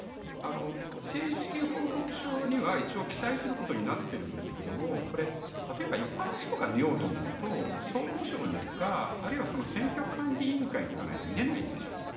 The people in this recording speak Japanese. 政治資金報告書には一応記載することにはなっているんですがこれ、例えば一般の人が見ようと思うと総務省に行くか、あるいは選挙管理委員会に行かないと見れないんですね。